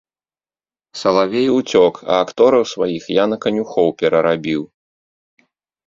Салавей уцёк, а актораў сваіх я на канюхоў перарабіў.